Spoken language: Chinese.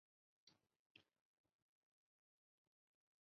车站拱顶是白色和灰色。